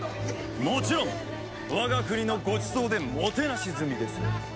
もちろん我が国のごちそうでもてなし済みです。